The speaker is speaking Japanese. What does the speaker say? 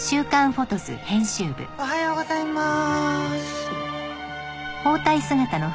おはようございまーす。